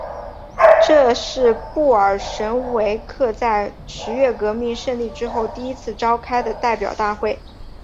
这是布尔什维克在十月革命胜利以后第一次召开的代表大会。